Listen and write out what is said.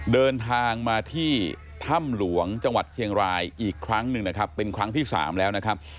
เดินทางมาที่ถ้ำหลวงจังหวัดเชียงรายอีกครั้งหนึ่งนะครับเป็นครั้งที่สามแล้วนะครับ